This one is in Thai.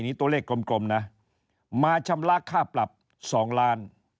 ตัวเลขกลมนะมาชำระค่าปรับ๒ล้าน